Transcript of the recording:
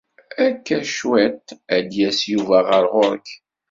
Akka cwiṭ ad d-yas Yuba ɣer ɣur-k.